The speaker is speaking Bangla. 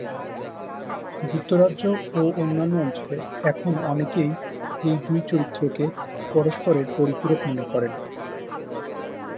যুক্তরাজ্য ও অন্যান্য অঞ্চলে এখন অনেকেই এই দুই চরিত্রকে পরস্পরের পরিপূরক মনে করেন।